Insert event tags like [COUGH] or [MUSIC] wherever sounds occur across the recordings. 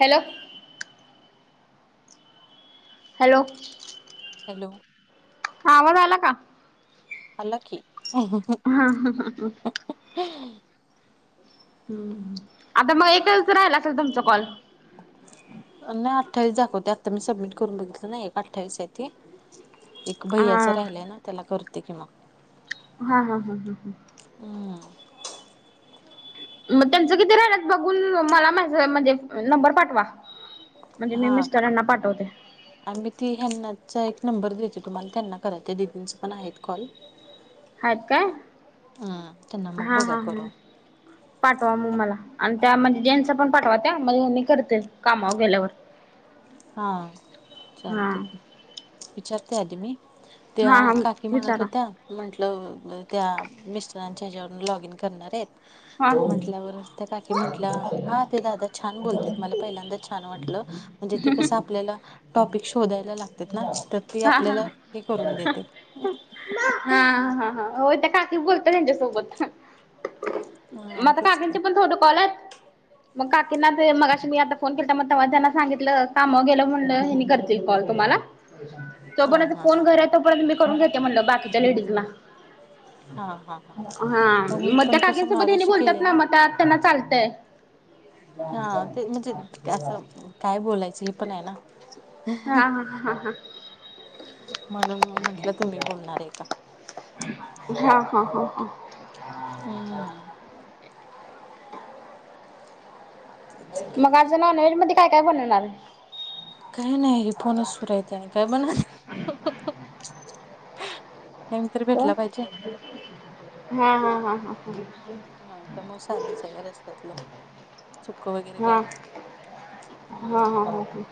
Hello hello hello हा, आवाज आला का? आला की. [UNINTELLIGIBLE] [INAUDIBLE] हम् आता मग, एकच राहिला असेल तुमचा कॉल. नाही अठ्ठावीस दाखवत्यात आता मी, समिट करून बघितलं नाही एक अठ्ठावीस हाय ती. भैयाचा हा राहिलाय ना, त्याला करते की मग. हा हा हा हा हा. अम. मग त्यांचं किती राहिल्यात बघून, मला मॅसेज म्हणजे नंबर पाठवा. म्हणजे मी मिस्टरांना पाठवते. आणि ती ह्येनचा एक नंबर देते तुम्हाला, त्यांना करा त्या दिदींनच पण आहेत कॉल. हायत का, हम्म त्यांना मग हा बघा हा हा. करून पाठवा मग मला आणि त्या म्हणजे जेंट्स पण पाठवा त्या, मग हेनी करतील कामावर गेल्यावर. [INAUDIBLE] हा हा चालतंय की, विचारते आधी मी. त्या हा हा काकी म्हणतं विचारा होत्या. म्हटलं त्या, मिस्टरांच्या हेच्यावरून लॉग इन करणार हायत. हा. हा म्हंटल्यावर त्या काकी म्हटल्या हा, ते दादा छान बोलतेत मला पहिल्यांदा छान वाटलं. म्हणजे ते, कसं आपल्याला. टॉपिक शोधायला लागत्यात ना, तर ते आपल्याला हे करून देते. हां. ती बोलत्यात हेच्या सोबत. हा मग तेच की काकीनचे पण थोडं कॉल येत. मग काकींना ते मगाशी मी आता फोन केलाता मग तवा त्यांना सांगितलं, कामावर गेलं म्हणल हेनी करतील. ते कॉल तुम्हाला. जो हा पर्यंत हा फोन हा घरी आहे तो पर्यंत, मी करून घेते म्हणलं बाकीच्या लेडीजला. हा हा हा मी मग पण त्या काकीन कसं सोबत हेनी मागाशी बोलत्यात ना, केलेला मग त्या त्यांना चालतंय. हा ते म्हणजे, असं काय बोलायचं हे पण आहे ना. [INAUDIBLE] म्हणून मग म्हटलं, तुम्ही बोलनाराय का. हा हा हा हा. हम्म. तेच की मग आज नॉनव्हेज मध्ये काय काय बनवणार. काय नाही हे फोनच सुर हायती, आणि काय बनव [INAUDIBLE] टाइम तर भेटला पाहिजे हा हा हा हा. हा तर मग साधच आहे रस्त्यातलं, चुक वगैरे काय नाही. हा हा हम्म हा हा.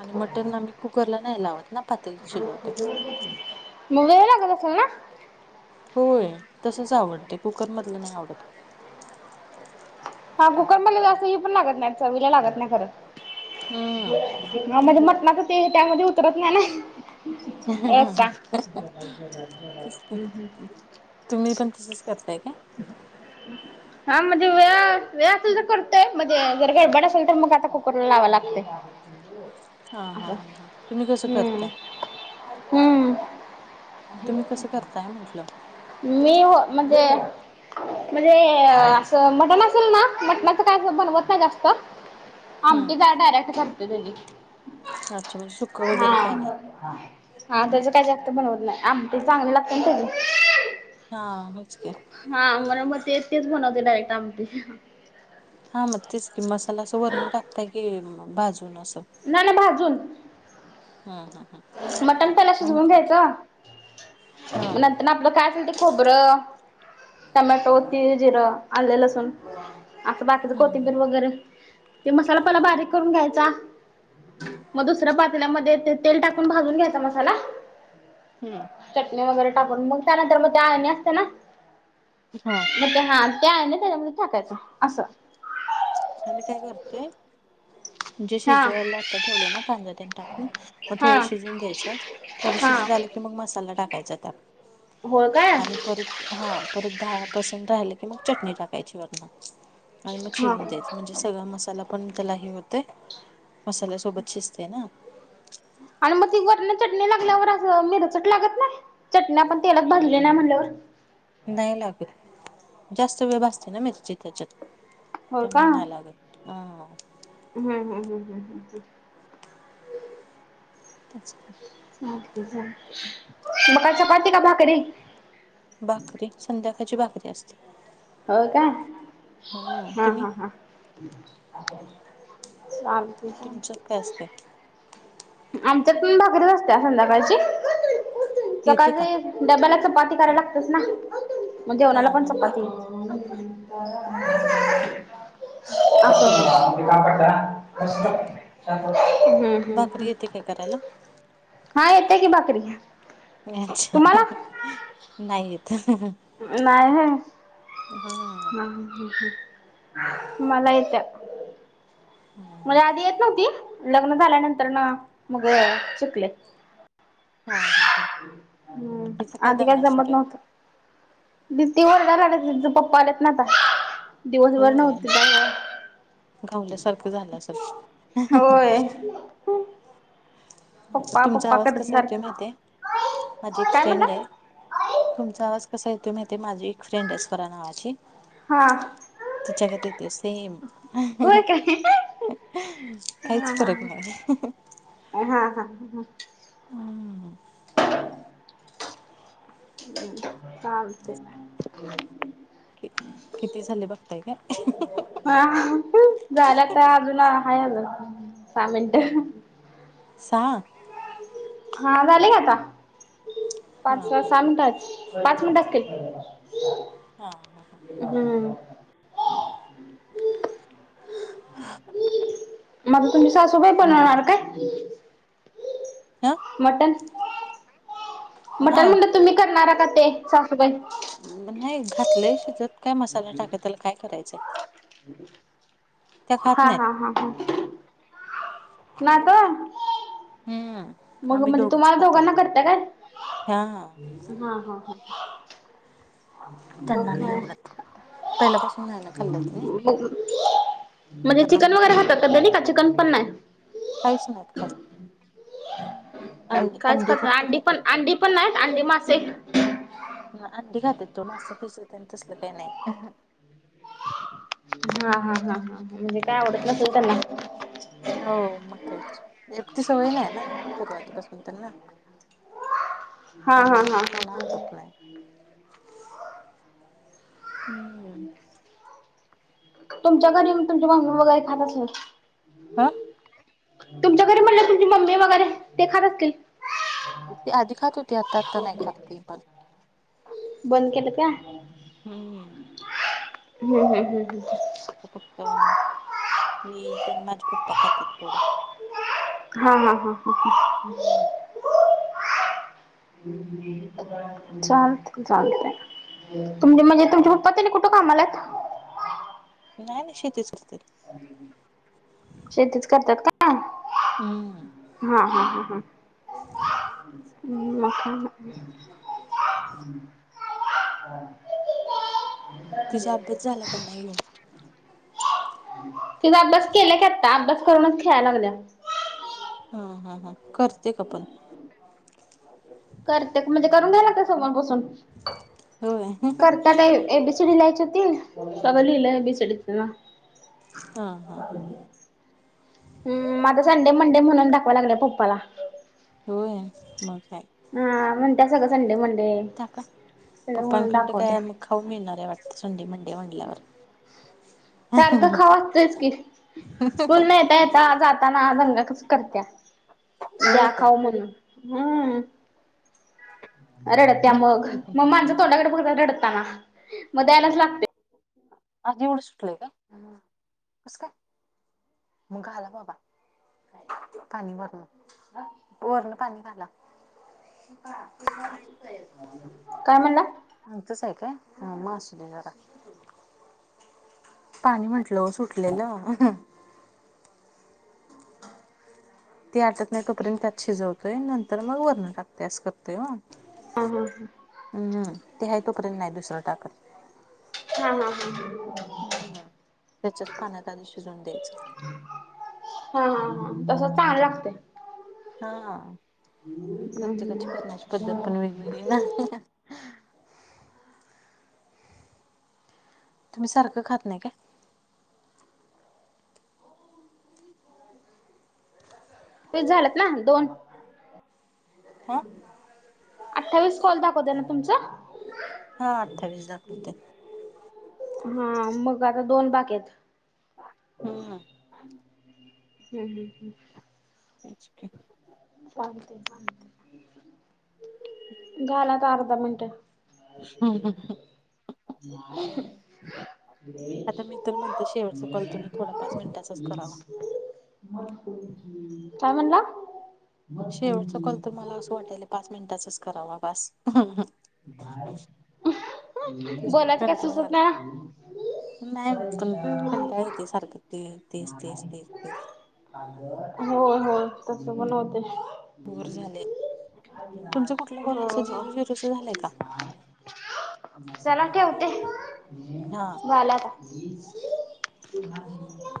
आणि मटन आम्ही, कुकर ला नाही लावत. ना पातेलीत शिजवते मग वेळ लागतं असल ना. होय तसंच आवडतय, कुकर मधलं नाही आवडत. हा, कुकर मधल जास्त ही पण लागत नाही, चवीला लागत नाही खरं. हम्म हा म्हणजे, मटणाच ते त्यांमध्ये उतरत नाही ना. ए कां, तेच की हम्म हम्म. तुम्ही पण तसंच, करताय काय. [INAUDIBLE] हा म्हणजे वेळ वेळ असेल तर करतोय. म्हणजे जर गडबड असेल तर मग, आता कुकरला लावायला लागतंय. हा हा हा हा तुम्ही कसं हम्म करताय हम्म तुम्ही कसं करताय म्हटलं मी हो म्हणजे म्हणजे असं मटण असल ना मटणाचं काय बनवत नाही जास्त हम्म आमटी का डायरेक्ट करते त्याची अच्छा म्हणजे सुक हा वगैरे काय नाय हा त्याच काही जास्त बनवत नाही आमटी चांगली लागते ना त्याची हा मीचकी हा मर म्हणून मग तेच तेच बनवते डायरेक्ट आमटी हा मग तेच की मसाला असं वरण टाकताय की भाजून असं नाही नाही भाजून हम्म हम्म मटन पयला हम्म आणि शिजवून घ्यायच हा आपलं काय असेल ते खोबरं टोमॅटो तीळ जिरं आले लसूण असं बाकीचं हम्म कोथिंबीर वगैरे ते मसाला पयला बारीक करून घ्यायचा मग दुसऱ्या पातल्यामध्ये ते तेल टाक कुण भाजून घ्यायचा मसाला हम्म चटणी वगैरे टाकून मग त्यानंतर मग ते आळणी असते ना हा मग ते हा त्या ना त्याच्यामध्ये टाकायचं असं आम्ही काय करतोय जे हा शिजवायला आता ठेवलेय ना कांदा तेने टाकून मग हा थोडं शिजून द्यायचं थोडी हा शीजत आल की मग मसाला टाकायचा होय काय त्यात आणि परत हा परत दहा पर्सेंट राहिलं की मग चटणी टाकायची वरण हा शिजून द्यायचं म्हणजे सगळा मसाला पण त्याला हे होते मसाल्यासोबत शिजते ना आणि मग वरण लागल्यावर असं मिर चट लागत नाही चटणी आपण तेलात भाजली नाही म्हटल्यावर नाही लागत जास्त वेळ भाजते ना मिरची त्याच्यात होय तर का मग नाही लागत हम हम्म हम हम् हम्म हम ह [UNINTELLIGIBLE] मका चपाती का भाकरी भाकरी संध्याकाळची भाकरी असते हो का? हा हा हा. चालतंय चालतंय. असतय. आमच्यात पण भाकरीच असत्या संध्याकाळचे येते का सकाळचे डब्याला चपाती करायला लागतेच ना जेवणाला हा पण हा चपाती. भाक [INAUDIBLE] [INAUDIBLE] [UNINTELLIGIBLE] [INAUDIBLE] हम्म अच्छा हम हम. हे करायला हा येते की भाकरी. अच्छा तुम्हाला? नाही येत. नाही होय. हा. ह ह ह मला येत्या. हम्म. [UNINTELLIGIBLE] मला आधी येत नव्हती लग्न झाल्यानंतर न मग शिकले. हा हा हा हम् तिचा आधी काय दंगा जमत सुरू आहे नव्हतं. दिदी ओरडायला लागलीया तिचं पप्पा आलेत ना आता दिवसभर नव्हतीत. गावल्यासारखं झालं असल. हं हं हं होय. पप्पा तुमचा पप्पा आवाज करत कसा येतोय सारखं माहिती हाय, माझी एक काय म्हणला? फ्रेंड आहे तुमचा आवाज कसा येतोय माहिती हाय माझी एक फ्रेंड आहे स्वरा नावाची हा तिच्या गत येतोय सेम. हं हं होय काय? काहीच हा हा फरक नाही. हा हा ह ह. हम्म. [INAUDIBLE] चालतंय. किती झाले बघताय काय? हा झाल्यात काय अजून हाय आजुन सहा मिनटं. सहा? हा झाले का आता पाच का सहा मिनिट आहेत पाच मिनिट असतील. हा हा हा. हम्म. [INAUDIBLE] मग तुमची सासूबाई बनवणार काय? हा? मटण हा मटण म्हणलं तुम्ही करणारा का ते सासुबाई? नाही घातलंय शिजत काय मसाला टाकत त्याला काय करायचंय. त्या खात हा नाहीत. हा हा हा. ना तो हम्म. मग आम्ही म्हणजे दोघच तुम्हाला खातोय दोघांना करता काय? हा हा हा हा हा हा मग त्यांना नाही काय आवडत. पहिल्यापासून नाही ना खाल्लं त्यांनी मग म्हणजे चिकन त्यामुळे वगैरे त्यांनी खातात का तेनी का चिकन पण नाही? काहीच नाहीत खात. अंडी कायच खात नाही फक्त अंडी पण खात्यात. अंडी पण नाहीत अंडी, मासे नाही अंडी घातात ते मासे फिसे तेन तसलं काय नाही हा हा हा हा म्हणजे काय आवडत हम् नसेल त्यांना. हो मग काह तर एक ती सवय नाही आहे ना सुरुवातीपासून त्यांना हा हा त्यामुळे मग हा त्यांना ह ह आवडत नाही. हम्म तुमच्या घरी तुमची मम्मी वगैरे खात असेल ना हा. तुमच्या घरी म्हणलं तुमची मम्मी वगैरे ते खात असतील. ते आधी खात होती आता आता नाही खात ति पण. बंद केल का? हम्म होय हम्म. पप्पा, फक्त मी जण माझ्या पप्पा खातात थोडं. हा हा हा. हम्. [UNINTELLIGIBLE] हम्. चालत चालत, तुम म्हणजे तुमच्या पप्पातने कुठे कामाला आहेत? नाही नाही शेतीच करतेत. शेतीच करतात काय? हम्म हा हा ह ह. [INAUDIBLE] मा हा [UNINTELLIGIBLE] हम [UNINTELLIGIBLE] तिचा अभ्यास का नाही? तिचा अभ्यास केला की आता, अभ्यास करूनच खेळायला लागल्या. हा हा हा करते का पण? करते म्हणजे करून द्याय लागते समोर बसून. होय करत्या काय एबीसीडी लियाची होती. सगळं लिहल एबीसीडी तिनं. हा हा हा [INAUDIBLE] ह मा आत संडे-मंडे म्हणून दाखवा लागल्या पप्पाला. हो आहे, मग काय. हा म्हणत्या सगळं संडे मंडे [INAUDIBLE] काका, सगळं पप्पां म्हणून खंड दाखवत्या काय मग. खाऊ मिळणारे वाटत संंडे-मंडे म्हंटल्यावर. सारख खाऊ असतोच कि, स्कूल न येता येता जाता ता ना हा दंगा कस करत्या, होय द्या का खाऊ म्हणून. हम्म, रडत्या घाला मग, तरी पण मग माझं तोंड्याकडे बघ रडताना मग द्यायलाच लागते. आजीवढं सुटलय का? हम्म, कस का? मग घाला बाबा. पाणी वरुण, वरण पाणी घाला. हा [UNINTELLIGIBLE] काय म्हणला? अ तुमचच आहे का? हा म असले जरा. पाणी म्हंटलं ओ सुटलेलं. ती आटत नाही तोपर्यंत त्यात शिजवतोय नंतर मग वरण टाकते अस करतोय ओ. हा हा. हम्म हम, ते हाय तोपर्यंत नाही दुसरं टाकत. हा हा हा. हम्, त्याच्याच पाण्यात आधी शिजवून द्यायचं. हा हा हा तस चांगलं लागते. हा हा लागतय प्रत्येकाची करण्याची पद्धत पण वेगवेगळी ना. तुम्ही सारखं खात नाही का? वीस झालेत ना दोन [INAUDIBLE] आ? अठ्ठावीस कॉल दाखवत ना तुमचं? हा अठ्ठावीस दाखवते हा मग आता दोन बाकी आहेत. हम्म. हम् हम ह्. [UNINTELLIGIBLE] झाला आता अर्धा मिनट. [INAUDIBLE] आता मी तर म्हणते शेवटच कॉल तर मी थोडा पाच मिनिटांचाच करावा. काय म्हणला! शेवटचा कॉल तर म्हाला असं वाटाल पाच मिनिटाचच करावा बास. तेच की बोलायचं काय कंटाळा सुचत आलाय. नाही. नाही पण कंटाळ येत सारखं ते तेच तेच तेच तेच. होय होय तस पण होते. बोर झाले तुमचं कुठला कोल हो अस हो जेरू जिरूच झालंय का? चला ठेवते हा झाला आता. [UNINTELLIGIBLE]